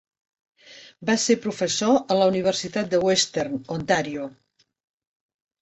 Va ser professor a la Universitat de Western Ontario.